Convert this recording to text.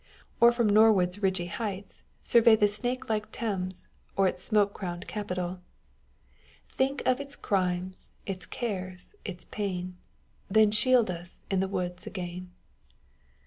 Or from Norwood's ridgy heights, survey the snake like Thames, or its smoke crowned capital ; Think of its crimes, its cares, its pain, Then shield us in the woods again.